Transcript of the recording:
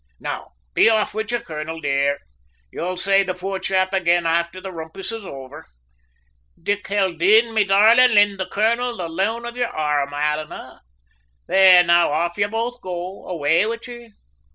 Now, be off wid ye, colonel, dear; you'll say the poor chap ag'in afther the rumpus is over. Dick Haldane, me darlint, hind the colonel the loan of yer arrum, alannah. There, now off ye both go. Away wid ye!"